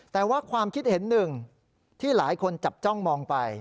แต่ว่าความคิดเห็นหนึ่งที่หลายคนจับจ้องมองไป